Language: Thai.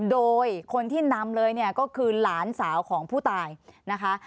โดยคนที่นำเลยเนี่ยก็คือหลานสาวของผู้ตายนะคะ